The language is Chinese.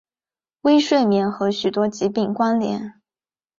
微睡眠和许多疾病关联。